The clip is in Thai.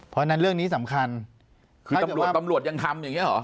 เพราะฉะนั้นเรื่องนี้สำคัญคือตำรวจตำรวจยังทำอย่างนี้หรอ